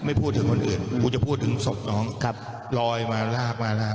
นั่นนุ้ยเชิญยิ้ม